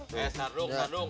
eh sardung sardung